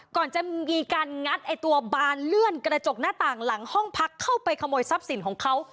ก่อนจะมีการงัดไอ้ตัวบานเลื่อนกระจกหน้าต่างหลังห้องพักเข้าไปขโมยทรัพย์สินของเขา